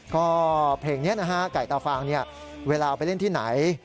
ก็เพลงนี้นะฮะไก่ตาฟางเวลาไปเล่นที่ไหน